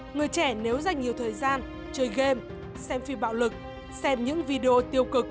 người trẻ nếu dành nhiều thời gian chơi game xem phim bạo lực xem những video tiêu cực